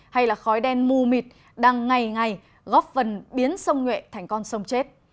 hay là khói đen mù mịt đang ngày ngày góp phần biến sông nhuệ thành con sông chết